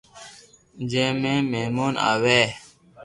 جي مي مھمون آوي